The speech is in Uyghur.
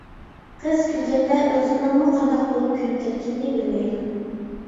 قىز كۈلگەندە ئۆزىنىڭمۇ قانداق بولۇپ كۈلۈپ كەتكىنىنى بىلمەيدۇ.